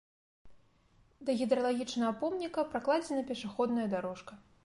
Да гідралагічнага помніка пракладзена пешаходная дарожка.